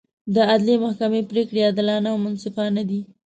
د عدلي محکمې پرېکړې عادلانه او منصفانه دي.